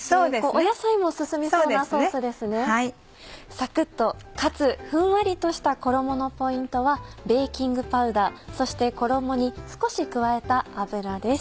サクっとかつふんわりとした衣のポイントはベーキングパウダーそして衣に少し加えた油です。